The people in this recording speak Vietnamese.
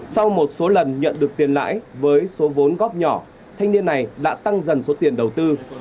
sau một số lần nhận được tiền lãi với số vốn góp nhỏ thanh niên này đã tăng dần số tiền đầu tư